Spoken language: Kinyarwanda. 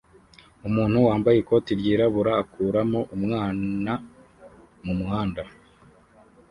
Umuntu wambaye ikoti ryirabura akuramo umwana mumuhanda